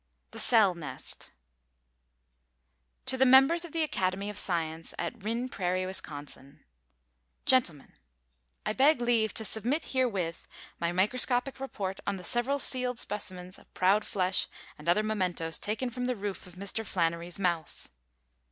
The Cell Nest. To the Members of the Academy of Science, at Wrin Prairie, Wisconsin: Gentlemen: I beg leave to submit herewith my microscopic report on the several sealed specimens of proud flesh and other mementoes taken from the roof of Mr. Flannery's mouth.